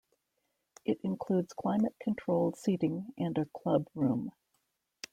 It includes climate-controlled seating and a club room.